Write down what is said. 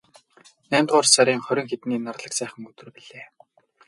Наймдугаар сарын хорин хэдний нарлаг сайхан өдөр билээ.